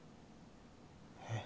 えっ？